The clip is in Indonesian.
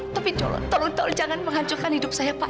tapi tolong tolong jangan menghancurkan hidup saya pak